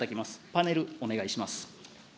パネル、お願いします。